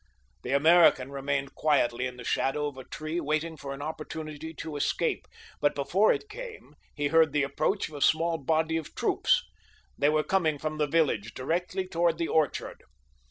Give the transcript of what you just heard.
The American remained quietly in the shadow of a tree waiting for an opportunity to escape, but before it came he heard the approach of a small body of troops. They were coming from the village directly toward the orchard.